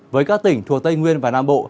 với các tỉnh thuộc tây nguyên và nam bộ